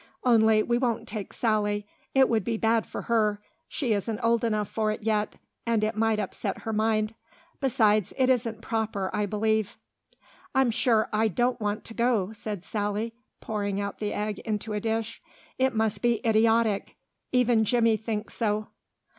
Only we won't take Sally; it would be bad for her. She isn't old enough for it yet and it might upset her mind; besides, it isn't proper, I believe." "I'm sure I don't want to go," said Sally, pouring out the egg into a dish. "It must be idiotic. Even Jimmy thinks so."